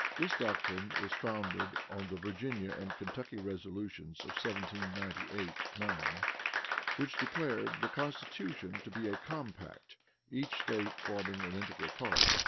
This doctrine was founded on the Virginia and Kentucky resolutions of 1798 9 which declared the constitution to be a compact, each State forming an integral part.